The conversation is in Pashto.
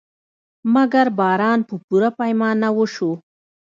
مګر باران په پوره پیمانه وشو.